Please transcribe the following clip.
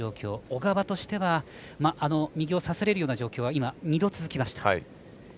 小川としては右をさされるような状況が今、２度続きました。